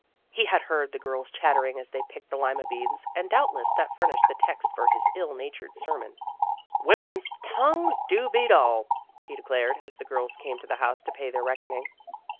He had heard the girls chattering as they picked the lima beans, and doubtless that furnished the text for his ill natured sermon. '' Women 's tongues do beat all, '' he declared, as the girls came to the house to pay their reckoning.